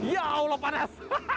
ya allah panas